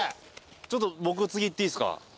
ちょっと僕次いっていいっすか？